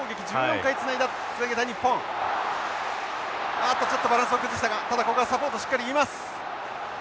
あっとちょっとバランスを崩したがただここはサポートしっかりいます。